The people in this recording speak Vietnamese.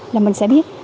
là mình sẽ biết